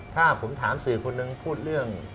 ถ้าผมถามสื่อคนหนึ่งพูดเรื่อง